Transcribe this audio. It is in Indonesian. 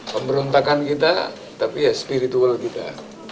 pemberontakan kita tapi ya spiritual kita